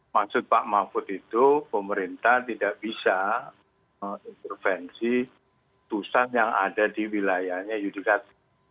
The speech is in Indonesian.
maksud pak mahfud itu pemerintah tidak bisa intervensi tusan yang ada di wilayahnya yudhikathir